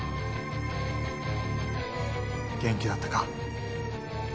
元気だったか？